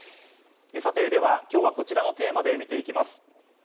今日はこちらのテーマで見ていきます。